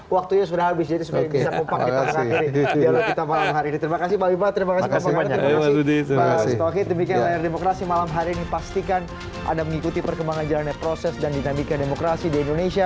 waktunya sudah habis jadi semoga bisa kompak kita ke akhirnya